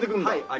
はい。